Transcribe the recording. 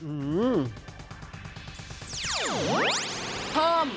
อืม